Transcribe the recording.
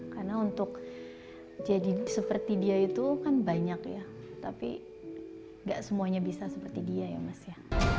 karena untuk jadi seperti dia itu kan banyak ya tapi gak semuanya bisa seperti dia ya mas ya